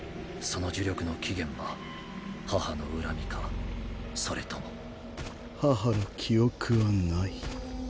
その呪力の起源は母の恨みかそれとも母の記憶はない。